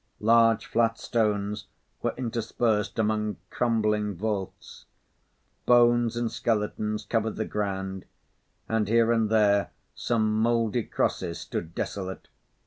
Large flat stones were interspersed among crumbling vaults; bones and skeletons covered the ground, and here and there some mouldy crosses stood desolate.